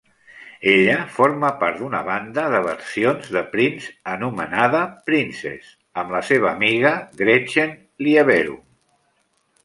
Ella forma part d'una banda de versions de Prince anomenada Princess amb la seva amiga Gretchen Lieberum.